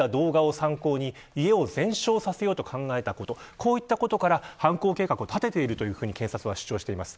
こういったことから、犯行計画を立てているというふうに検察側は主張しています。